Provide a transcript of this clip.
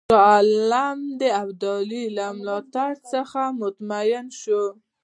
شاه عالم د ابدالي له ملاتړ څخه مطمئن شو.